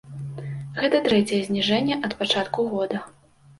Гэта трэцяе зніжэнне ад пачатку года.